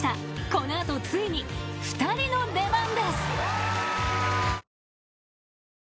この後ついに２人の出番です］